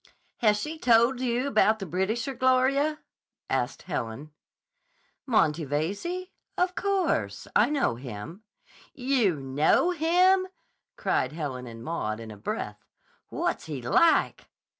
"Has she told you about the Britisher, Gloria?" asked Helen. "Monty Veyze? Of course. I know him." "You know him!" cried Helen and Maud in a breath. "What's he like?"